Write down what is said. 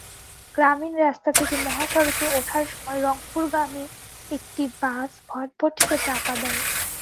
গ্রামীণ রাস্তা থেকে মহাসড়কে ওঠার সময় রংপুরগামী একটি বাস ভটভটিকে চাপা দেয়।